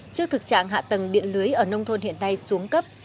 trước thực trạng hạ tầng điện lưới ở nông thôn hiện nay xuống cấp